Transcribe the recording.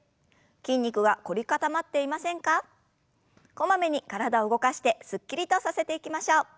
こまめに体を動かしてすっきりとさせていきましょう。